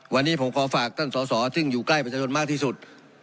วันนี้ผมขอฝากท่านสอสอซึ่งอยู่ใกล้ประชาชนมากที่สุด